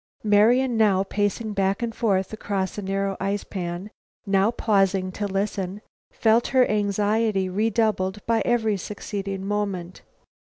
Marian, now pacing back and forth across a narrow ice pan, now pausing to listen, felt her anxiety redoubled by every succeeding moment.